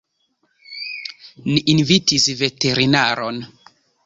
Ni invitis veterinaron.